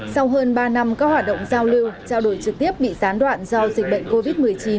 sau hơn ba năm các hoạt động giao lưu trao đổi trực tiếp bị gián đoạn do dịch bệnh covid một mươi chín